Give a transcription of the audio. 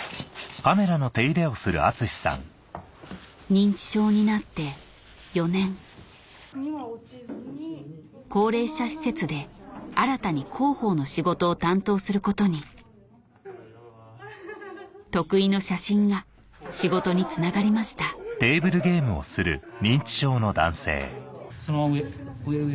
認知症になって４年高齢者施設で新たに広報の仕事を担当することに得意の写真が仕事につながりましたそのまま上上上。